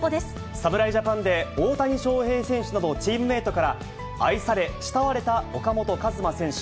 侍ジャパンで大谷翔平選手などチームメートから愛され慕われた岡本和真選手。